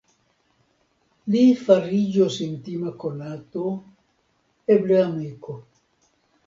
Li fariĝos intima konato; eble amiko.